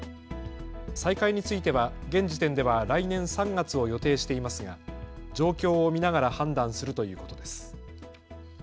再開については現時点では来年３月を予定していますが状況を見ながら判断するということです。